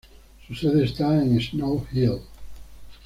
Su sede está en Snow Hill.